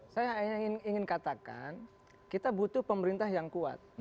saya ingin katakan kita butuh pemerintah yang kuat